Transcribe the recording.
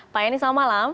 pak yanni selamat malam